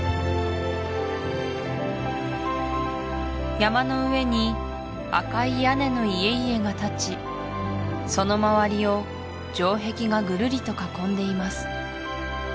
山の上に赤い屋根の家々が立ちその周りを城壁がぐるりと囲んでいます